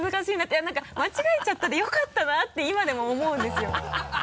いや何か「間違えちゃった」でよかったなって今でも思うんですよ。